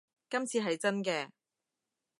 今次係真嘅